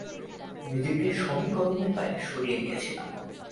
নিজেকে সমীকরণের বাইরে সরিয়ে নিয়েছিলাম।